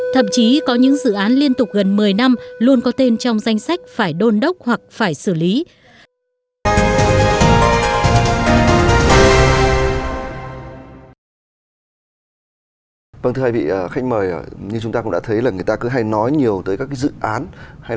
thậm chí có những dự án liên tục gần một mươi năm luôn có tên trong danh sách phải đôn đốc hoặc phải xử lý